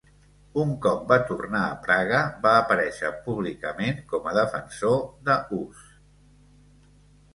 Un cop va tornar a Praga, va aparèixer públicament com a defensor de Hus.